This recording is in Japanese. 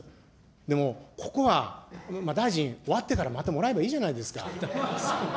でもここは、大臣、終わってからまたもらえばいいじゃないですか。